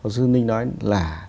sư ninh nói là